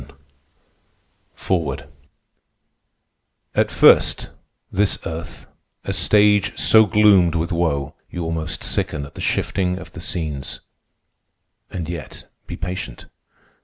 THE TERRORISTS "At first, this Earth, a stage so gloomed with woe You almost sicken at the shifting of the scenes. And yet be patient.